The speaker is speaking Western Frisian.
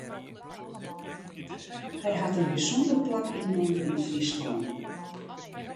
Hy hat in bysûnder plak ynnommen yn Fryslân.